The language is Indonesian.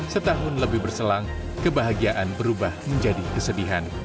setahun lebih berselang kebahagiaan berubah menjadi kesedihan